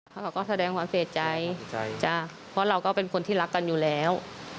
เขาก็แสดงความเสียใจจ้ะเพราะเราก็เป็นคนที่รักกันอยู่แล้ว